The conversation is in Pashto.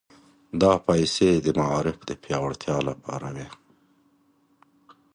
دا پيسې د معارف د پياوړتيا لپاره وې.